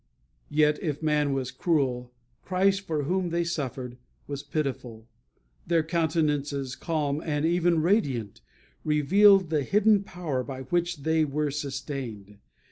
Yet if man was cruel, Christ, for whom they suffered, was pitiful. Their countenances, calm and even radiant, revealed the hidden power by which they were sustained.